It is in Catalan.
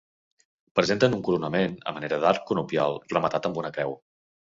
Presenten un coronament a manera d'arc conopial rematat amb una creu.